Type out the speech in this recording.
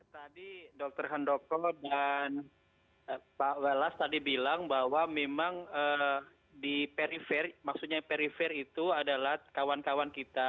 tadi dokter handoko dan pak welas tadi bilang bahwa memang di perifer maksudnya perifer itu adalah kawan kawan kita